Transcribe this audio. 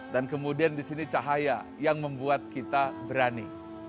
dan kemudian disini cahaya yang membuat kita berani